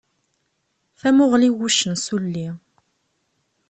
Tamuɣli n wuccen s ulli.